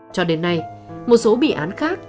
cho đến nay một số bị án khác